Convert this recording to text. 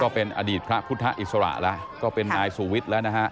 ก็เป็นอดีตพระพุทธศาสนาแล้วก็เป็นนายสูวิทธิ์แล้ว